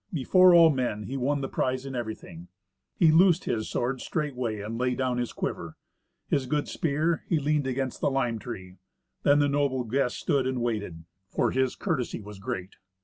Before all men he won the prize in everything. He loosed his sword straightway, and laid down his quiver. His good spear he leaned against the lime tree; then the noble guest stood and waited, for his courtesy was great.